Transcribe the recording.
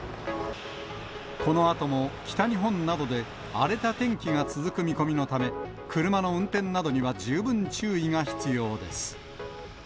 このあとも北日本などで荒れた天気が続く見込みのため、車の運転などには十分注意が必要です。